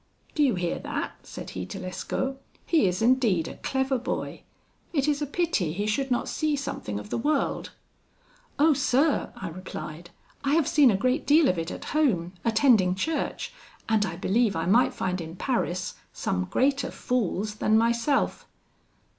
'Do you hear that,' said he to Lescaut; 'he is indeed a clever boy! It is a pity he should not see something of the world.' 'Oh, sir,' I replied, 'I have seen a great deal of it at home, attending church, and I believe I might find in Paris some greater fools than myself.'